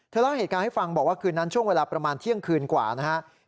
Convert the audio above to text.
เล่าเหตุการณ์ให้ฟังบอกว่าคืนนั้นช่วงเวลาประมาณเที่ยงคืนกว่านะครับ